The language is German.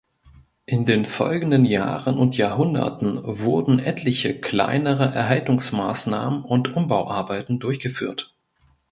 In den folgenden Jahren und Jahrhunderten wurden etliche kleinere Erhaltungsmaßnahmen und Umbauarbeiten durchgeführt.